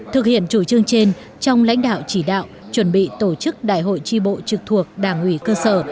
thực hiện chủ trương trên trong lãnh đạo chỉ đạo chuẩn bị tổ chức đại hội tri bộ trực thuộc đảng ủy cơ sở